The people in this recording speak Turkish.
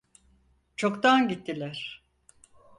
Çoktan gittiler.